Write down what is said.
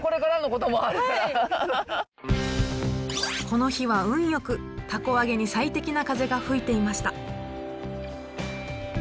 この日は運よく凧あげに最適な風が吹いていました。